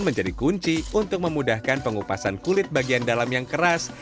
menjadi kunci untuk memudahkan pengupasan kulit bagian dalam yang keras